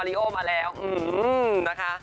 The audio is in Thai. หิวเลย